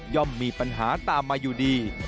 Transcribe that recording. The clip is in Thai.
มีปัญหาตามมาอยู่ดี